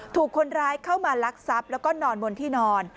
ถูกคนร้ายเข้ามาลักทรัพย์แล้วก็นอนบนที่นอน